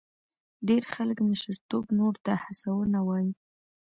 ډېر خلک مشرتوب نورو ته هڅونه وایي.